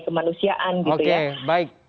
kemanusiaan gitu ya baik